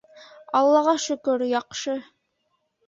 Аллаға шөкөр, яҡшы!